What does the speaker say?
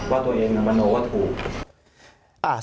ว่าตัวเองมนุษย์ว่าถูก